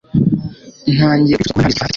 Ntangiye kwicuza kuba ntarize igifaransa cyane